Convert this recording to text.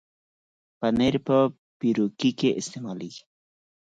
پنېر په پیروکي کې استعمالېږي.